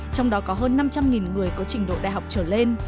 trong đó có hơn năm trăm linh người có trình độ đại học trở lên